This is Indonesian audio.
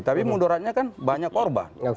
tapi mundurannya kan banyak korban